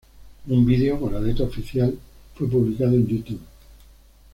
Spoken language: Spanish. Un video con la letra oficial fue publicado en YouTube.